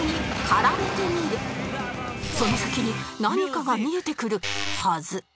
その先に何かが見えてくるはず